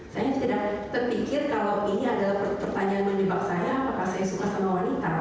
saya tidak terpikir kalau ini adalah pertanyaan menjebak saya apakah saya suka sama wanita